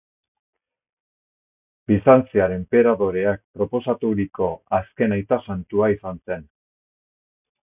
Bizantziar enperadoreak proposaturiko azken aita santua izan zen.